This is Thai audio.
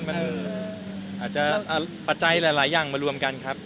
มันอาจจะปัจจัยหลายอย่างมารวมกันครับ